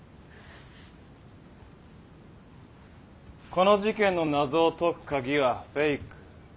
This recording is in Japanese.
この事件の謎を解く鍵はフェイク。